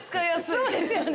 そうですよね。